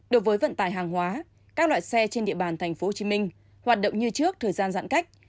đối với vận tải hàng hóa các loại xe trên địa bàn tp hcm hoạt động như trước thời gian giãn cách